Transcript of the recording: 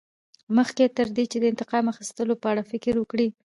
مخکې تر دې چې د انتقام اخیستلو په اړه فکر وکړې.